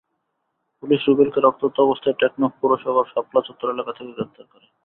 Police রুবেলকে রক্তাক্ত অবস্থায় টেকনাফ পৌরসভার শাপলা চত্বর এলাকা থেকে গ্রেপ্তার করে।